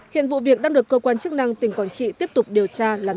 hiện vụ việc đang được cơ quan chức năng tỉnh quảng trị tiếp tục điều tra làm rõ